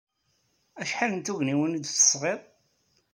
Acḥal n tugniwin ay d-tesɣiḍ?